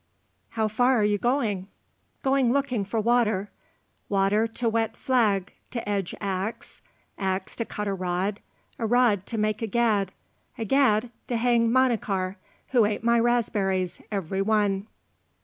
"How far are you going?" "Going looking for water, water to wet flag to edge axe, axe to cut a rod, a rod to make a gad, a gad to hang Manachar, who ate my raspberries every one."